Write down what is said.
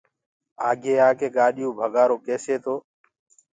آگي آڪي گآڏيو ڀگآرو ڪيسي تو